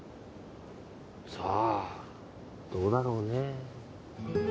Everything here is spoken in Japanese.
さあどうだろうねえ